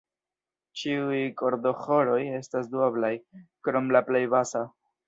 Ĉiuj kordoĥoroj estas duoblaj, krom la plej basa.